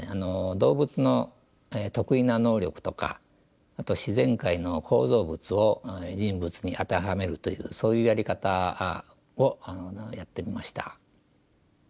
動物の特異な能力とかあと自然界の構造物を人物に当てはめるというそういうやり方をやってみました。